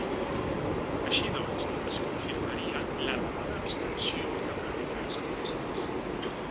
Així doncs, es confirmaria l’elevada abstenció que preveien les enquestes.